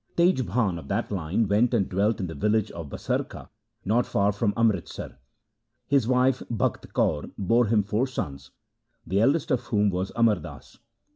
Tej Bhan of that line went and dwelt in the village of Basarka not far from Amritsar. His wife Bakht Kaur bore him four sons, the eldest of whom was Amar Das.